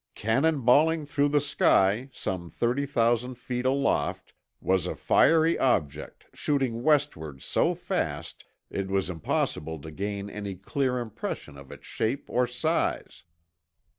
Cannonballing through the sky, some 30,000 feet aloft, was a fiery object shooting westward so fast it was impossible to gain any clear impression of its shape or size.